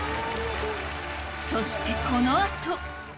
そして、このあと！